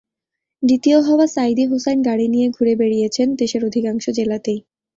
দ্বিতীয় হওয়া সাঈদী হোসাঈন গাড়ি নিয়ে ঘুরে বেড়িয়েছেন দেশের অধিকাংশ জেলাতেই।